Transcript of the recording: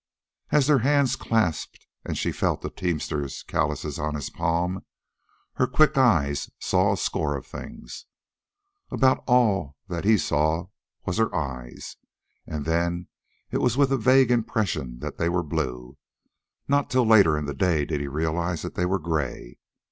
As their hands clasped and she felt the teamster callouses on his palm, her quick eyes saw a score of things. About all that he saw was her eyes, and then it was with a vague impression that they were blue. Not till later in the day did he realize that they were gray.